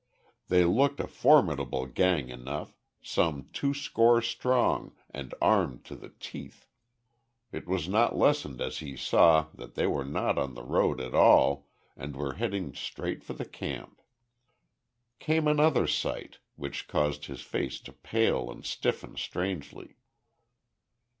They looked a formidable gang enough, some two score strong, and armed to the teeth. It was not lessened as he saw that they were not on the road at all, and were heading straight for the camp. Came another sight, which caused his face to pale and stiffen strangely.